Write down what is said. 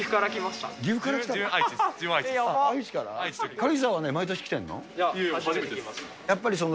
軽井沢は毎年来てんの？